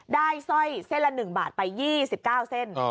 สร้อยเส้นละ๑บาทไป๒๙เส้น